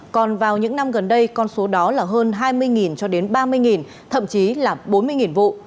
còn vào những năm gần đây con số đó là hơn hai mươi cho đến ba mươi thậm chí là bốn mươi vụ